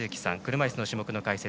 車いすの種目の解説